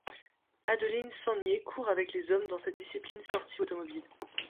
Adeline Sangnier court avec les hommes dans cette discipline sportive automobile.